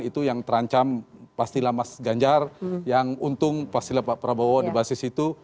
itu yang terancam pastilah mas ganjar yang untung pastilah pak prabowo di basis itu